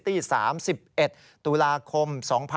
ที่๓๑ตุลาคม๒๕๖๒